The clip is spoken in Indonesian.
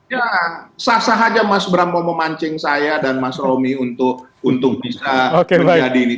ya sah sah aja mas bram mau memancing saya dan mas romi untuk bisa menjadi ini